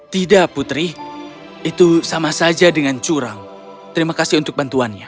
tidak putri itu sama saja dengan curang terima kasih untuk bantuannya